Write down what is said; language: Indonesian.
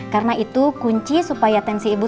karena itu kunci supaya tensi ibu